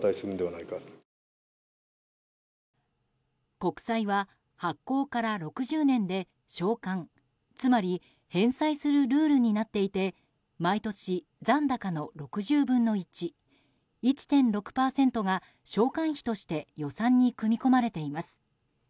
国債は発行から６０年で償還つまり返済するルールになっていて毎年、残高の６０分の１１．６％が償還費として予算に組み込まれています。